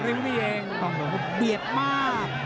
เหมือนเค้าจะเบียบมาก